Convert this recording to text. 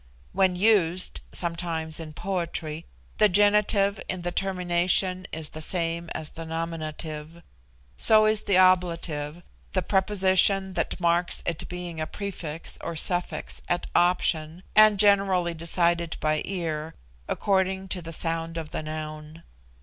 When used (sometimes in poetry), the genitive in the termination is the same as the nominative; so is the ablative, the preposition that marks it being a prefix or suffix at option, and generally decided by ear, according to the sound of the noun.